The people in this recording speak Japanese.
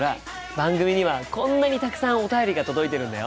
番組にはこんなにたくさんお便りが届いているんだよ。